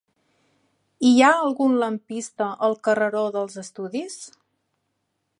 Hi ha algun lampista al carreró dels Estudis?